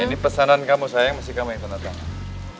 ini pesanan kamu sayang masih kamu yang tanda tangan